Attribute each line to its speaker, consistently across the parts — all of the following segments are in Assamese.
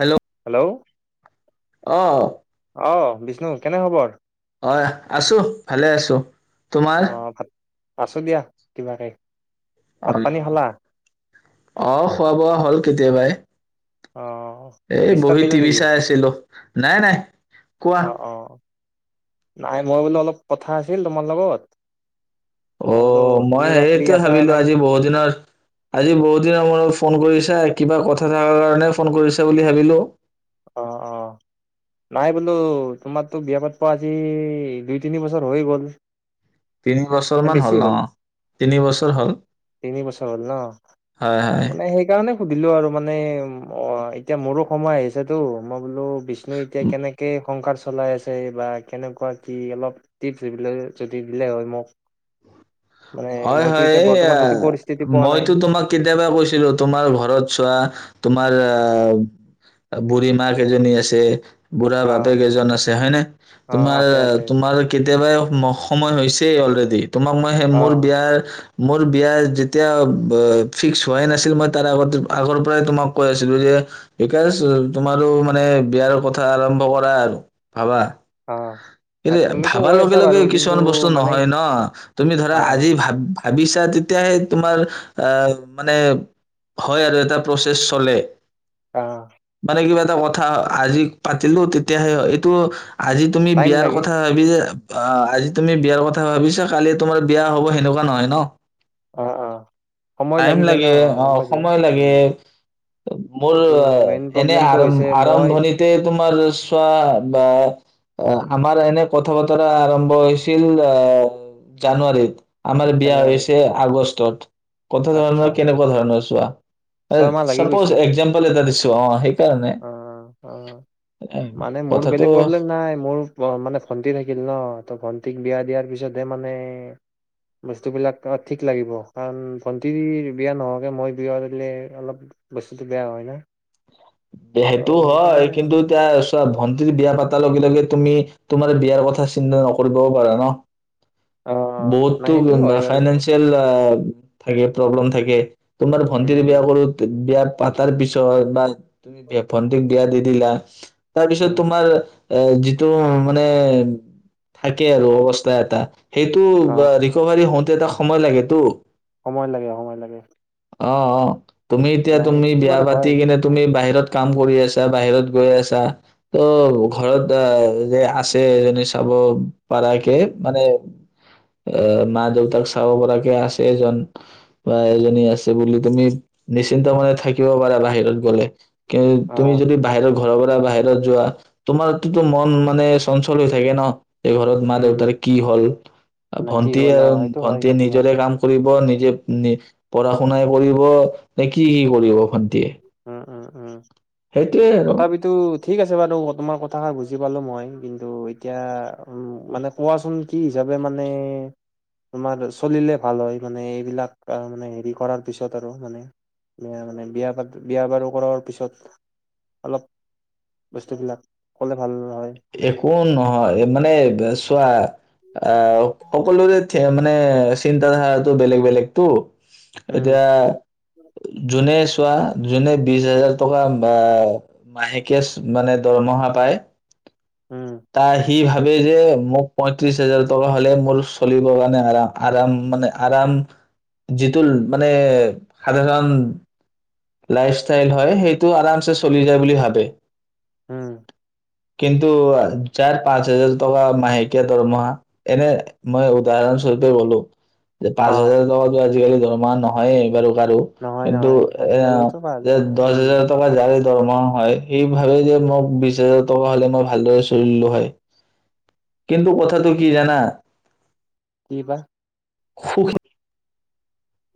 Speaker 1: হেল্ল'।
Speaker 2: হেল্ল'।
Speaker 1: অ'।
Speaker 2: অ' বিষ্ণু কেনে খবৰ।
Speaker 1: অ' আছোঁ, ভালে আছোঁ।
Speaker 2: অ' ভাল। আছো দিয়া কিবাকে। ভাত
Speaker 1: অ',
Speaker 2: পানী খালা
Speaker 1: অ' খোৱা বোৱা হল কেতিয়াবাই।
Speaker 2: অ
Speaker 1: এ
Speaker 2: বিস্তাত
Speaker 1: বহি
Speaker 2: বেজে
Speaker 1: টিভি
Speaker 2: নেকি
Speaker 1: চাই আছিলো, নাই নাই কোৱা।
Speaker 2: অ অ নাই মই বোলো অলপ কথা আছিল তোমাৰ লগত। মই বোলো
Speaker 1: অ' মই
Speaker 2: তুমি বা ফ্ৰী
Speaker 1: সেইটোৱে
Speaker 2: আছা নে
Speaker 1: ভাবিলো
Speaker 2: নাই
Speaker 1: আজি বহুত দিনৰ আজি বহুত দিনৰ মুৰত ফোন কৰিছা। কিবা কথা থাকাৰ কাৰণে ফোন কৰিছা বুলি ভাবিলো।
Speaker 2: অ' অ' নাই বোলো তোমাৰতো বিয়া পাতপা আজি দুই তিনি বছৰ হৈ গ'ল।
Speaker 1: তিনি বছৰ
Speaker 2: নে
Speaker 1: মান
Speaker 2: বেছি
Speaker 1: হ'ল ন তিনিবছৰ হল
Speaker 2: তিনি বছৰ হ'ল ন
Speaker 1: হয় হয়
Speaker 2: মানে সেইকাৰণে সুধিলো আৰু মানে অ এতিয়া মোৰো সময় আহিছে সেইটো মই বোলো বিষ্ণু এতিয়া কেনেকে সংসাৰ চলাই আছে বা কেনেকুৱা কি অলপ টিপচ দিলে হয় মোক মানে
Speaker 1: হয়
Speaker 2: মইতো
Speaker 1: হয়
Speaker 2: এতিয়া
Speaker 1: এ
Speaker 2: বৰ্তমান সেইটো পৰিস্থিতি পোৱা নাই
Speaker 1: মইতো তোমাক কেতিয়াবা কৈছিলো তোমাৰ ঘৰত চোৱা তোমাৰ আহ বুঢ়ী মা কেইজনী আছে বুঢ়া
Speaker 2: অ
Speaker 1: বাপেক এজন আছে হয়নে
Speaker 2: অ
Speaker 1: তোমাৰ
Speaker 2: আছে আছে
Speaker 1: তোমাৰ কেতিয়াবাই সময় হৈছে তে অলৰেডি তোমাক মই সেই
Speaker 2: অ
Speaker 1: মোৰ মোৰ বিয়া যেতিয়া ফিক্স হোৱাই নাছিল মই তাৰ আগতে আগৰ পৰাই তোমাক কৈ আছিলো যে বিকাশ তোমাৰো মানে বিয়াৰ কথা আৰম্ভ কৰা আৰু ভাবা
Speaker 2: অ
Speaker 1: এই
Speaker 2: তুমিতো
Speaker 1: ভাবাৰ
Speaker 2: কৈ
Speaker 1: লগে
Speaker 2: আছা
Speaker 1: লগে
Speaker 2: বাৰু কিন্তু
Speaker 1: কিছুমান বস্তু
Speaker 2: মানে
Speaker 1: নহয় ন তুমি
Speaker 2: অ
Speaker 1: ধৰা আজি ভাবিছা তেতিয়াহে তোমাৰ আহ মানে হয় আৰু এটা প্ৰচেছ চলে
Speaker 2: অ
Speaker 1: মানে কিবা এটা কথা আজি পাতিলো তেতিয়াহে এইটো আজি তুমি
Speaker 2: টাইম
Speaker 1: বিয়াৰ
Speaker 2: লাগে
Speaker 1: কথা ভাবি যে অ আজি তুমি বিয়াৰ কথা ভাবিছা কালি তোমাৰ বিয়া হ'ব সেনেকুৱা নহয় ন
Speaker 2: অ অ সময়
Speaker 1: টাইম
Speaker 2: লাগি যায় ন
Speaker 1: লাগে অ
Speaker 2: গম পাইছো
Speaker 1: সময়
Speaker 2: উম
Speaker 1: লাগে মোৰ
Speaker 2: এইটো মেইন
Speaker 1: এনে
Speaker 2: প্ৰব্লেমটো
Speaker 1: আৰাম
Speaker 2: হৈছে মই
Speaker 1: আৰম্ভণিতে তোমাৰ চোৱা বা আমাৰ এনে কথা বতৰা আৰম্ভ হৈছিল আহ জানুৱাৰীত আমাৰ বিয়া
Speaker 2: জানুৱাৰীত
Speaker 1: হৈছে আগষ্ট যত কথা
Speaker 2: আচ্ছা
Speaker 1: ধৰণৰ কেনেকুৱা ধৰণৰ চোৱা
Speaker 2: ছয়মাহ
Speaker 1: চপ'জ
Speaker 2: লাগি
Speaker 1: চাপৌ'জ
Speaker 2: গৈছে
Speaker 1: একজাম্পল এটা দিছো অহ সেই
Speaker 2: অ অ
Speaker 1: এ,
Speaker 2: মানে মোৰ
Speaker 1: কথাটো
Speaker 2: বেলেগ প্ৰব্লেম নাই মোৰ মানে ভন্টি থাকিল ন ত ভন্টিক বিয়া বিয়াৰ পিছতহে মানে বস্তুবিলাক ঠিক লাগিব কাৰণ ভন্টি বিয়া নহাকে মই বিয়া দিলে অলপ বস্তুটো বেয়া হয় ন
Speaker 1: সেইটো হয় কিন্তু তাৰ চব ভন্টিৰ বিয়া পাতাৰ লগে লগে তুমি তোমাৰ বিয়াৰ কথা চিন্তা নকৰিবও পাৰা ন
Speaker 2: অ নাই
Speaker 1: বহুততো
Speaker 2: সেইটো হয় বাৰু
Speaker 1: ফাইনেন্সিয়েল থাকে প্ৰব্লেম থাকে তোমাৰ
Speaker 2: উম
Speaker 1: ভণ্টিৰে
Speaker 2: উম
Speaker 1: বিয়াঘৰত বিয়াত পাতাৰ পিছত বা তুমি ভে ভন্টিক বিয়া দি দিলা তাৰপিছত
Speaker 2: উম
Speaker 1: তোমাৰ এ যিটো মানে, থাকে আৰু অৱস্থা এটা সেইটো
Speaker 2: অ
Speaker 1: বা ৰিক'ভাৰী এটা সময় লাগেতো।
Speaker 2: সময় লাগে, সময় লাগে।
Speaker 1: অ', অ'। তুমি এতিয়া
Speaker 2: নাই
Speaker 1: তুমি,
Speaker 2: সেইটোতো
Speaker 1: বিয়া
Speaker 2: বাৰু হয়
Speaker 1: পাতি কিনে তুমি বাহিৰত কাম কৰি আছা, বাহিৰত গৈ আছা, ত', ঘৰত আহ যে আছে এজনী চাব পাৰাকে মানে অ', মা-দেউতাৰ চাব পৰাকে আছে এজন বা এজনী আছে বুলি, তুমি নিশ্চিন্ত মানে থাকিব পাৰা বাহিৰত গলে। কি
Speaker 2: অ
Speaker 1: তুমি যদি বাহিৰৰ ঘৰৰ পৰা বাহিৰত যোৱা তোমাৰতোটো মন মানে চঞ্চল হৈ থাকে ন', এই ঘৰত মা
Speaker 2: উম
Speaker 1: দেউতাৰ কি হল
Speaker 2: নাই কি হ'ল অ সেইটো হয়
Speaker 1: ভণ্টি-ভন্টীয়ে
Speaker 2: সেইটো হয়
Speaker 1: নিজৰে কাম কৰি নিব, নিজে নি পঢ়া শুনাই কৰিব, নে কি কি কৰিব ভণ্টিয়ে।
Speaker 2: উম, উম।
Speaker 1: আৰু
Speaker 2: তথাপিতো ঠিক আছে বাৰু তোমাৰ কথাষাৰ বুজি পালো মই কিন্তু এতিয়া, উ, মানে কোৱাচোন কি হিচাপে মানে, তোমাৰ চলিলে ভাল হয় মানে এইবিলাক মানে, হেৰি কৰাৰ পিছত আৰু মানে এইয়া মানে বিয়া পাতি বিয়া বাৰু কৰাৰ পিছত, অলপ বস্তুবিলাক ক'লে ভাল হয়।
Speaker 1: একো নহয়, মানে চোৱা আ, সকলোৰে [unintelligible] মানে চিন্তাধাৰাটো বেলেগ, বেলেগতো।
Speaker 2: উম
Speaker 1: এতিয়া, যোনে চোৱা যোনে বিচ হাজাৰ টকা বা মাহেকীয়া মানে দৰমহা পায়
Speaker 2: উম
Speaker 1: তা, সি ভা ভাবে যে, মোক পঁয়ত্ৰিশ হাজাৰ টকা হ'লে মোৰ চলিবৰ কাৰণে আৰাম আৰাম মানে, আৰাম যিটোল মানে সাধাৰণ লাইফ ষ্টাইল হয়, সেইটো আৰামচে চলি য বুলি ভাবে,
Speaker 2: উম
Speaker 1: কিন্তু চাৰ, পাঁচ হাজাৰ টকা মাহেকীয়া দৰমহা এনে মই উদাহৰণস্বৰূপে কলোঁ যে, পাঁচ
Speaker 2: অ
Speaker 1: হাজাৰ টকাটো আজিকালি দৰমহা নহয়ে বাৰু বাৰু
Speaker 2: নহয়
Speaker 1: কিন্তু
Speaker 2: নহয়
Speaker 1: এ,
Speaker 2: আজিকালিতো পাঁচ
Speaker 1: যে,
Speaker 2: হাজাৰ
Speaker 1: দহ
Speaker 2: উম
Speaker 1: হাজাৰ টকা যা দৰমহা হয় সেই ভাবে যে মোক বিশ হাজাৰ টকা হ'লে মই ভালদৰে চলিলো হয় কিন্তু কথাটো কি জানা
Speaker 2: কি বা
Speaker 1: সুখী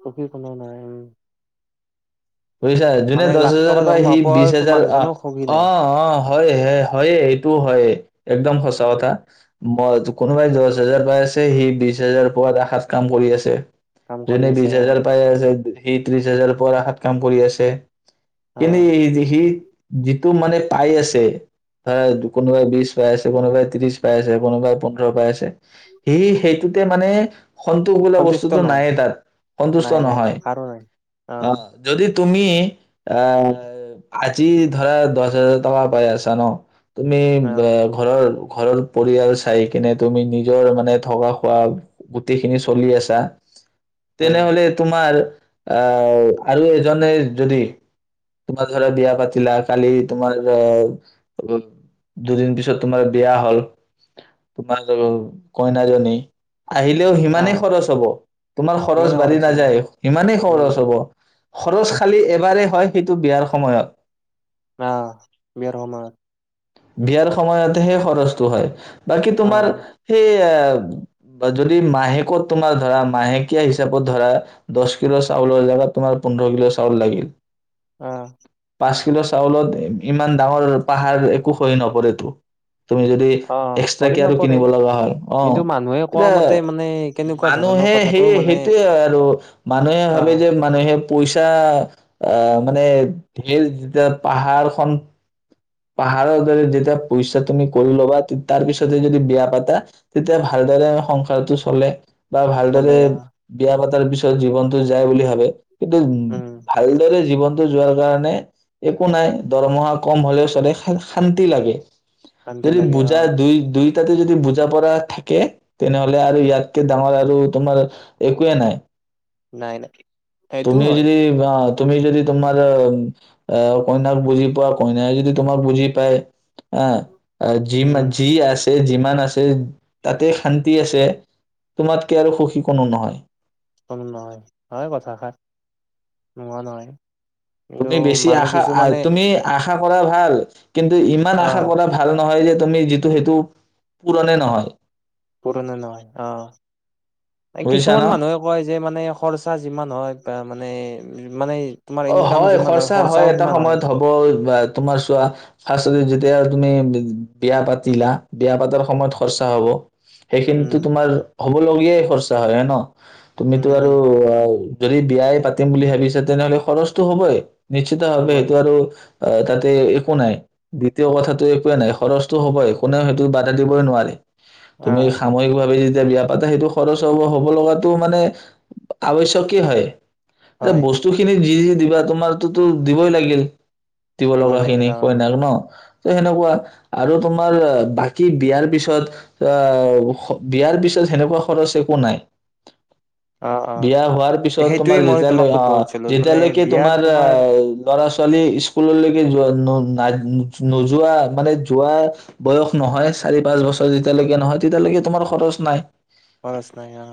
Speaker 2: সখী কোনো নাই উ
Speaker 1: বুজিছা যোনে দহ হোজাৰ
Speaker 2: টকা
Speaker 1: পাই সি
Speaker 2: দৰমহা পোৱা
Speaker 1: বিশ হাজাৰ অ
Speaker 2: মানুহজনো সুখী
Speaker 1: অ
Speaker 2: নাই
Speaker 1: অ হয় হয়ে এইটোও হয়ে একদম সচা
Speaker 2: অ
Speaker 1: কথা মই কোনোবাই দহ হাজাৰ পাই আছে সি বিশ হাজাৰ পোৱাত আ সাত কাম কৰি আছে
Speaker 2: কাম কৰি
Speaker 1: যোনে
Speaker 2: আছে
Speaker 1: বিছ
Speaker 2: অ
Speaker 1: হাজাৰ পায় আছে এই ত্ৰিশ হাজাৰ পৰা কাম কৰি আছে
Speaker 2: অ
Speaker 1: কিলে সি যিটো মানে পাই আছে ধৰা কোনোবাই বিশ পাই আছে কোনোবাই ত্ৰিশ পাই আছে কোনোবাই পোন্ধৰ পাই আছে সি সেইটোতে মানে সন্তোষ বোলা
Speaker 2: সন্তুষ্ট
Speaker 1: বস্তুতটো
Speaker 2: নহয়
Speaker 1: নাই তাত সন্তুষ্ট
Speaker 2: নাই নাই
Speaker 1: নহয়
Speaker 2: নাই কাৰো নাই অ
Speaker 1: আহ যদি তুমি আহ আজি ধৰা দহ হাজাৰ টকা পাই আছা ন তুমি
Speaker 2: অ
Speaker 1: ঘৰৰ ঘৰৰ পৰিয়াল চাই কিনে তুমি নিজৰ মানে থকা খোৱা গোটেই খিনি চলি আছা
Speaker 2: উম
Speaker 1: তেনেহলে তোমাৰ আহ আৰু এজনে যদি তোমাৰ ধৰা বিয়া পাতিলা কালি তোমাৰ দুদিন পিছত তোমাৰ বিয়া হল তোমাৰ কইনাজনী আহিলেও
Speaker 2: অ
Speaker 1: সিমানেই খৰচ হব তোমাৰ খৰচ
Speaker 2: ইমানে
Speaker 1: বাঢ়ি
Speaker 2: হ'ব
Speaker 1: নাযায় সিমানেই
Speaker 2: উম
Speaker 1: খৰচ হব খৰচ খালী এবাৰেই হয় সেইটো বিয়াৰ সময়ত
Speaker 2: আহ বিয়াৰ সময়ত
Speaker 1: বিয়াৰ সময়তেহে খৰচটো হয় বাকী
Speaker 2: অ
Speaker 1: তোমাৰ সেই এ যদি মাহেকত তোমাৰ ধৰা মাহেকীয়া হিচাপত ধৰা দহ কিলো চাউলৰ জেগাত তোমাৰ পোন্ধৰ কিলো চাউল লাগিল
Speaker 2: আহ
Speaker 1: পাঁচ কিলো চাউলত ইমান ডাঙৰ পাহাৰ কু হৈ ন পৰে তু তুমি যদি
Speaker 2: অ সৰি
Speaker 1: এক্সট্ৰাকে আৰু
Speaker 2: নপৰে
Speaker 1: কিনিব লগা হয় অ
Speaker 2: কিন্তু মানুহে কোৱা
Speaker 1: এতিয়া
Speaker 2: মতে মানে কেনেকুৱা ধৰণৰ
Speaker 1: মানুহে
Speaker 2: কথাটো
Speaker 1: সেইয়
Speaker 2: মানে
Speaker 1: সেইটোৱে আৰু মানুহে
Speaker 2: অ
Speaker 1: ভাবে যে মানুহে পইচা আহ মানে ধেৰ যেতিয়া পাহাৰখন পাহাৰৰ দৰে যেতিয়া পইচা তুমি কৰি ল'বা তাৰ পিছতে যদি বিয়া পাতা তেতিয়া ভালদৰে সংসাৰটো চলে বা
Speaker 2: চলে
Speaker 1: ভালদৰে
Speaker 2: অ
Speaker 1: বিয়া পাতা তাৰ পিছত জীৱনতটো যায় বুলি ভাবে কিন্তু উ
Speaker 2: উম
Speaker 1: ভালদৰে জীৱন যোৱাৰ কাৰণে একো নাই দৰমহা কম হলেও শান্তি লাগে
Speaker 2: শান্তি
Speaker 1: যদি
Speaker 2: লাগে অ
Speaker 1: বুজা দুই দুই ততে যদি বুজা পৰা থাকে তেনেহলে আৰু ইয়াতকে ডাঙৰ আৰু তোমাৰ একোৱে নাই
Speaker 2: নাই নাই সেইটো
Speaker 1: তুমি
Speaker 2: হয়
Speaker 1: যদি তুমি যদি তোমাৰ কইনাক বুজি পোৱা কইন যদি তোমাৰ বুজি পায় আহ জি ম
Speaker 2: উম
Speaker 1: জি আ যিমান আছে তাতে শান্তি আছে তোমাতকে আৰু সুখী কোনো নহয়
Speaker 2: ো নহয় হয় কথাষাৰ নোৱা নহয় কিন্তু
Speaker 1: তুমি বেছি
Speaker 2: মানুহ
Speaker 1: আশা
Speaker 2: কিছুমানে
Speaker 1: তুমি আশা আশা কৰা ভাল কিন্তু ইমান আশা
Speaker 2: আহ
Speaker 1: কৰা ভাল নহয় যে মি যিটো সেইটো পুৰণে নহয়
Speaker 2: পুৰণা নহয় অ
Speaker 1: বুজিছা ন
Speaker 2: কিছুমান মানুহে কয় যে মানে খৰচা যিমান হয় বা মানে মানে তোমাৰ
Speaker 1: অ
Speaker 2: ইনকাম
Speaker 1: হয়
Speaker 2: যিমান
Speaker 1: খৰ্চা হয়
Speaker 2: খৰচাও
Speaker 1: এটা
Speaker 2: সিমান হয়
Speaker 1: সময়ত হ'ব বা তোমাৰ চোৱা ফ এতিয়া তুমি বিয়া পাতিলা বিয়া পাতাৰ সময়ত খৰচা হ'ব সেই কিন্তু
Speaker 2: উম
Speaker 1: তোমাৰ হ'বলগীয়াই খৰচা হয়ে ন
Speaker 2: উম
Speaker 1: তুমিতো
Speaker 2: উম
Speaker 1: আৰু যদি বিয়াই পাতিম বুলি ভাবিছে তেনেহ'লে খৰচটো হ'বই নিশ্চিত ভাৱ স
Speaker 2: হ'বই
Speaker 1: থ আৰু অ তাতে একো নাই দ্বিতীয় কথাটো একোৱেই নাই খৰচটো হ'বই কোনেও সেইটো বাধা দিবই নোৱাৰে
Speaker 2: অ
Speaker 1: তুমি সাময়িক ভাৱে য যেতিয়া বিয়া পাতে সেইটো খৰচ হ'ব হ'ব লগাো মানে আৱশ্যয়ক হয় যে
Speaker 2: হয়
Speaker 1: বস্তু খিনি যি যি দিবা তোমাৰতোতো দিবই লাগিল দিব লগা খিনি
Speaker 2: লাগিল অ
Speaker 1: কইনাক ন ত সেনেকুৱা আৰু তোমাৰ বাকি বিয়াৰ পিছত আহ বিয়াৰ পিছত সেনেকুৱা খৰচ একো নাই
Speaker 2: অ অ
Speaker 1: বিয়া হোৱাৰ পিছত তোমাৰ
Speaker 2: সেইটোয়ে মই তোমাক
Speaker 1: যেতিয়ালৈ অ
Speaker 2: সুধব খুজিছিলো মানে
Speaker 1: ালে
Speaker 2: বিয়াৰ
Speaker 1: তোমাৰ ৰা ছোৱালী স্কুললৈকে যোৱা নোযোৱা মানে যোৱা বয়স নহয় চাৰি পাঁচ বছৰ যেতিয়ালৈকে নহয় তেতিয়ালৈকে তোমাৰ খৰচ নাই
Speaker 2: বৰচ নাই অ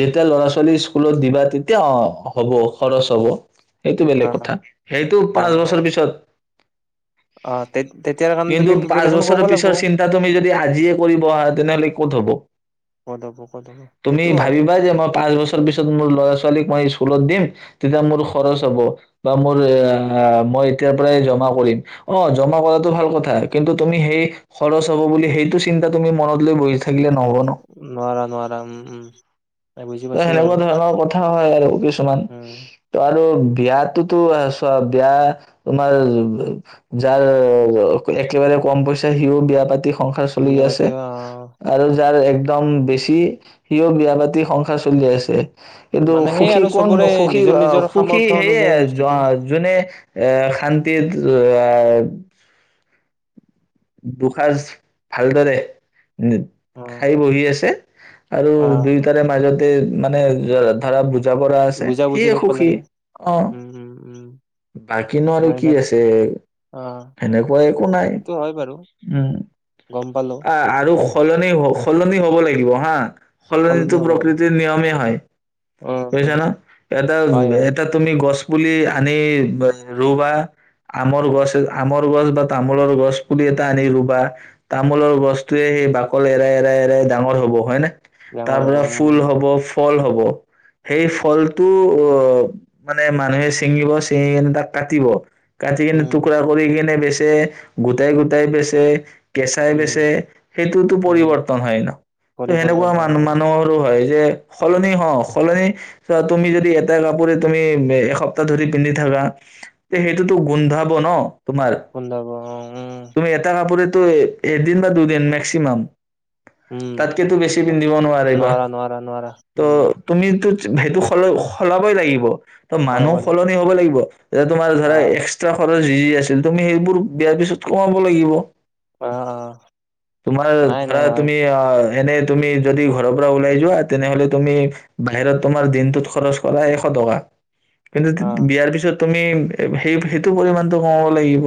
Speaker 1: যেতিয়া ল'ৰা ছোৱালী স্কুলত দিবা তেতিয়া অ হ'ব খৰচ হ'ব সেইটো
Speaker 2: অ
Speaker 1: বেলেগ কথা সেইটো
Speaker 2: অ
Speaker 1: পাঁচ
Speaker 2: অ
Speaker 1: বছৰ পিছত
Speaker 2: অ তেতিয়াৰ কাৰণে
Speaker 1: কিন্তু
Speaker 2: তুমি
Speaker 1: পাঁচ
Speaker 2: প্ৰিপেৰেচন
Speaker 1: বছৰ
Speaker 2: কৰিব লাগিব
Speaker 1: পিছৰ চিন্তা তুমি যদি আজিয়ে কৰিবা তেনেহ'লে ক'ত হ'ব
Speaker 2: ক'ত হ'ব ক'ত হ'ব
Speaker 1: তুমি
Speaker 2: সেইটো
Speaker 1: তুমি
Speaker 2: হয়
Speaker 1: ভাবিবা মই পাঁচছৰ পিছত মোৰ ল'ৰা ছোৱালক মই স্কুলত দি তেতিয়া মোৰ খৰচ হব বা মোৰ মই এতিাৰ পৰাই জমা কৰিম অ জমা কৰাতটো ভাল কথা কিন্তু তুমি সেই খৰচ হব বুলি সেইটো চিন্তা তুমি মনত লৈ বহি থাক
Speaker 2: নোৱাৰ নোৱাৰ উ উম বুজি
Speaker 1: ত
Speaker 2: পাইছো বাৰু
Speaker 1: সেনেকুৱা ধৰণৰ কথা হয় আৰু কিছুমান
Speaker 2: উম
Speaker 1: ত আৰু বিয়াতোতো চোৱা বিয়া তোমাৰ যাৰ একেবাৰে কম পইচা সিও বিয়া পাতি সংসাৰ চলি
Speaker 2: বিয়া পাতি
Speaker 1: আছে
Speaker 2: অ
Speaker 1: আৰু যাৰ একদম বেছি সিও বিয়া পাতি সং কথা চলি আছে কিন্তু
Speaker 2: মানে সেই
Speaker 1: সুখী
Speaker 2: আৰু
Speaker 1: কোন
Speaker 2: চবৰে
Speaker 1: সুখী
Speaker 2: নিজৰ নিজৰ
Speaker 1: সুখী
Speaker 2: সামৰ্থ
Speaker 1: সেয়ে
Speaker 2: অনুযায়ী বস্তুটো
Speaker 1: যোনে এ শান্তিত এ [unintelligible] দুসাজ ভালদৰে
Speaker 2: অ
Speaker 1: খাই বহি আছে উ আৰু
Speaker 2: অ
Speaker 1: দুয়োটাৰে মাজতে মানে ধৰা বুজ পৰা আছে
Speaker 2: বুজা বুজি
Speaker 1: সিয়ে
Speaker 2: থাকিব
Speaker 1: সুখী
Speaker 2: লাগে
Speaker 1: অ
Speaker 2: উম উম উম
Speaker 1: বাকীনো আৰু কি
Speaker 2: নাইবাতো
Speaker 1: আছে
Speaker 2: অ
Speaker 1: সেনেকুৱা একো নাই
Speaker 2: সেইটো হয় বাৰু
Speaker 1: উম
Speaker 2: গম পালো
Speaker 1: আহ আৰু সলনি সলনি হ'ব লাগিব হা
Speaker 2: সলনি
Speaker 1: সলনিটো
Speaker 2: হব লাগিব
Speaker 1: প্ৰকৃতিৰ নিয়মে হয়
Speaker 2: উম
Speaker 1: বুজছা
Speaker 2: উম
Speaker 1: না এটা
Speaker 2: হয় হয়
Speaker 1: এটা তুমি গছ পুলি আনি ৰুবা আমৰ গছ আমৰ গছ বা তামোলৰ গছ কৰি এটা আনি ৰুবা তামোলৰ গস্তয়ে সেই বাকল এৰাই এৰাই এৰাই ডাঙৰ হ'ব হয় ন তাৰ
Speaker 2: ডাঙৰ হব
Speaker 1: পৰাৰা
Speaker 2: উম
Speaker 1: ফুল
Speaker 2: উম
Speaker 1: হ'ব ফল হ'ব সেই ফলটো অ মানে মানুহে চিঙিব চিঙি কিনে তাক কাটিব কচি কনে
Speaker 2: উম
Speaker 1: টুৰা কৰি কিনে ব গুত [unintelligible] গেটাই গোটেই বেছে কেচাই
Speaker 2: উম
Speaker 1: বেচে সেইটোতো
Speaker 2: উম
Speaker 1: পৰিবৰ্তন হয় ন ত সেনেকুৱা
Speaker 2: পৰিৱৰ্তন হয়
Speaker 1: মানু
Speaker 2: অ
Speaker 1: মানুহৰো হয় যে সলনি হ সলনি চ তুমি যদি এটা কাপোৰে তুমি এসপ্তাহ ধৰি পিন্ধি থাকা তে সেইটোতো গোন্ধাব ন তোমাৰ
Speaker 2: গুন্ধাব অ উম
Speaker 1: তুমি এটা তাপ তো একদিন বা দুদিন মেক্সিমাম
Speaker 2: উম
Speaker 1: তাতকেতো বেছি পিন্ধিব নোৱাৰে বাা
Speaker 2: নোৱাৰা নোৱাৰা নোৱাৰা উম
Speaker 1: ত' তুমিতো সেইটো সল সলাবই লাগিব ত
Speaker 2: অলপ
Speaker 1: মানুহ
Speaker 2: অলপ
Speaker 1: সলনি হব লাগিব এতি তোমাৰ
Speaker 2: অ
Speaker 1: ধৰা এক্সট্ৰা খৰচ যি আছিল তুমি সেইবোৰ বিয়াৰ পিছত কমাব লাগিব
Speaker 2: অ অ
Speaker 1: তোমাৰ
Speaker 2: নাই
Speaker 1: ধৰা
Speaker 2: নাই হয়
Speaker 1: তুমি অ এনে তুমি যদি ঘৰৰ পৰা ওলাই যোৱা তেনেহলে তুমি বাহিৰত তোমাৰ দিনটোত খৰচ কৰা এশ টকা কিন্তু
Speaker 2: অ
Speaker 1: বিয়াৰ পিছত তুমি সেই সেইটো পৰিমানটো কমাব লাগিব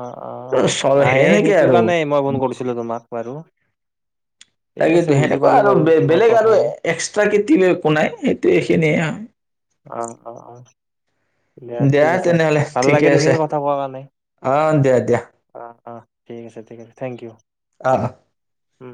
Speaker 2: অ অ
Speaker 1: চ-
Speaker 2: নাই
Speaker 1: সেনেকে
Speaker 2: সেইটো
Speaker 1: আৰু
Speaker 2: কাৰণেই মই ফোন
Speaker 1: উম,
Speaker 2: কৰিছিলো তোমাক বাৰু ঠিক আছে
Speaker 1: তাকেইতো
Speaker 2: বুজি
Speaker 1: সেনেকুৱা
Speaker 2: পালো
Speaker 1: আৰু
Speaker 2: বাৰু তোমাৰ
Speaker 1: বেলেগ আৰু
Speaker 2: কথাখিনি
Speaker 1: এক্সট্ৰা কেতি লৈ একো নাই সেইটো এইখিনিয়ে হয়
Speaker 2: অ অ অ [unintelligible] দিয়া ঠিক আছে
Speaker 1: তেনেহলে
Speaker 2: ভাল
Speaker 1: ঠিকে
Speaker 2: লাগিল
Speaker 1: আছে
Speaker 2: সেইখিনি কথা কোৱাৰ কাৰণে
Speaker 1: অ দিয়া দিয়া
Speaker 2: অ অ ঠিক আছেঠিক আছে থেংক ইউ
Speaker 1: আহ
Speaker 2: উম